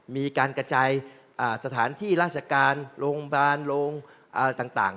มีการกระจายสถานที่ราชการโรงพยาบาลโรงอะไรต่าง